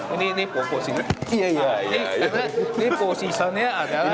ini posisinya karena ini posisinya adalah ini